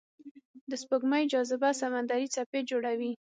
د سپوږمۍ جاذبه سمندري څپې جوړوي.